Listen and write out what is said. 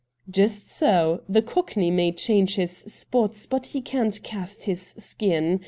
'Just so — the cockney may change his spots but he can't cast his skin.